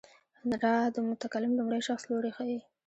را د متکلم لومړی شخص لوری ښيي.